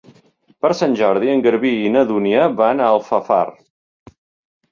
Per Sant Jordi en Garbí i na Dúnia van a Alfafar.